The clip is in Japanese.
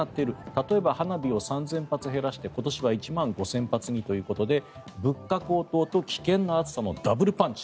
例えば花火を３０００発減らして今年は１万５０００発にということで物価高騰と危険な暑さのダブルパンチ。